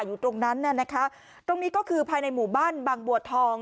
อยู่ตรงนั้นน่ะนะคะตรงนี้ก็คือภายในหมู่บ้านบางบัวทอง